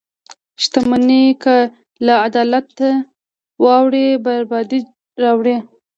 • شتمني که له عدالته واوړي، بربادي راوړي.